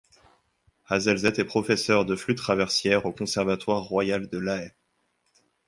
Hazelzet est professeur de flûte traversière au Conservatoire Royal de La Haye.